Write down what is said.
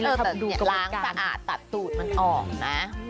ล้างสะอาดตัดตูดมันออกนะ